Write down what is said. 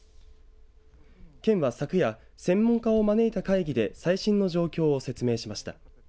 県は昨夜、専門家を招いた会議で最新の状況を説明しました。